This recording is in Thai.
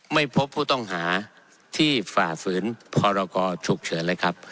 ไม่พบผู้ต้องหาที่ฝ่าฝืนพรกรฉุกเฉินเลยครับ